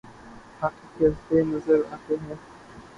hockey کھیلتے نظر آتے ہیں